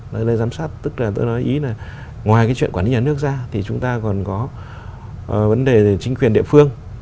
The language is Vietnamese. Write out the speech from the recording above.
lời giám sát tức là tôi nói ý là ngoài cái chuyện quản lý nhà nước ra thì chúng ta còn có vấn đề về chính quyền địa phương